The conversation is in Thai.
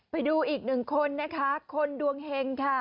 ไปดูอีกหนึ่งคนนะคะคนดวงเฮงค่ะ